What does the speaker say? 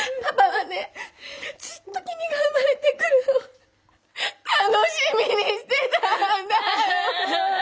ずっと君が生まれてくるのを楽しみにしてたんだよ。